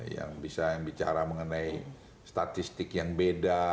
yang bisa bicara mengenai statistik yang beda